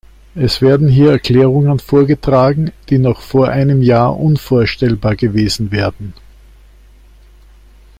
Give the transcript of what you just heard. Es werden hier Erklärungen vorgetragen, die noch vor einem Jahr unvorstellbar gewesen werden.